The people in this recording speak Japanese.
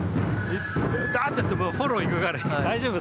ダーッとやってもフォローに行くから大丈夫だ。